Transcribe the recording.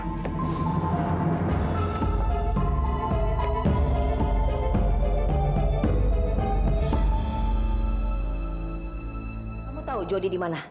kamu tahu jodi di mana